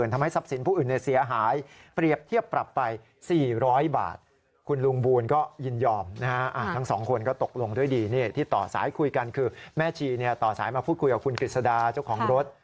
ต่อสายมาพูดคุยกับคุณกฤษฎาเจ้าของรถ